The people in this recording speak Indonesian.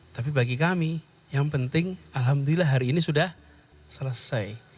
tapi bagi kami yang penting alhamdulillah hari ini sudah selesai